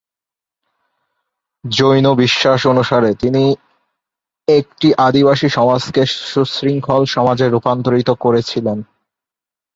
জৈন বিশ্বাস অনুসারে, তিনি একটি আদিবাসী সমাজকে সুশৃঙ্খল সমাজে রূপান্তরিত করেছিলেন।